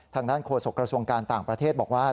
ทางด้านโฆษกระทรวงการต่างประเทศบอกว่า